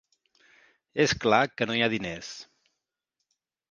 És clar que no hi ha diners.